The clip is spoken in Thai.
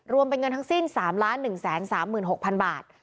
รวมเป็นเงินทั้งสิ้น๓๑๓๖๐๐๐บาท